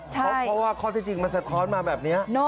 เพราะว่าข้อที่จริงมันสะท้อนมาแบบนี้